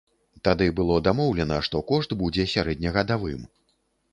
Тады было дамоўлена, што кошт будзе сярэднегадавым.